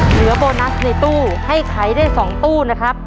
เหลือโบนัสในตู้ให้ขายได้สองตู้นะครับ